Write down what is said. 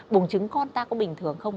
bùng trứng con ta có bình thường không